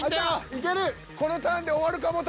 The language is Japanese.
いける！